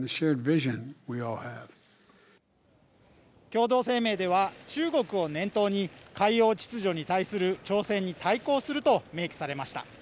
共同声明では中国を念頭に海洋秩序に対する挑戦に対抗すると明記されました。